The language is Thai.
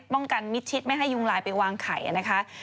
ป้องกันมิดชิดไม่ให้ยุงลายไปวางไข่นะคะ